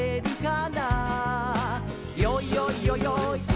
「よいよいよよい